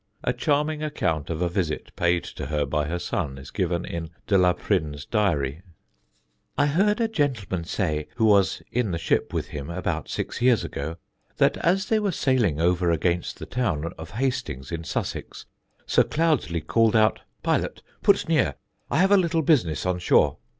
A charming account of a visit paid to her by her son is given in De la Prynne's diary: "I heard a gentleman say, who was in the ship with him about six years ago, that as they were sailing over against the town, of Hastings, in Sussex, Sir Cloudesley called out, 'Pilot, put near; I have a little business on shore.'